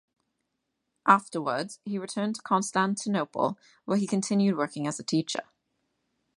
Afterwards he returned to Constantinople, where he continued working as a teacher.